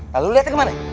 lalu liatnya kemana